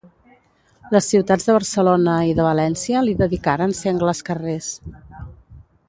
Les ciutats de Barcelona i de València li dedicaren sengles carrers.